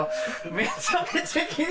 めちゃめちゃ気に。